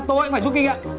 tôi cũng phải giúp kinh nghiệm